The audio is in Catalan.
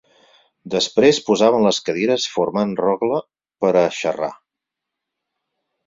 Després posaven les cadires formant rogle per a xarrar.